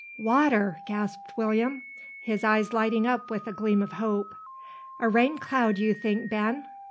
"Water!" gasped William, his eyes lighting up with gleam of hope. "A rain cloud you think, Ben?"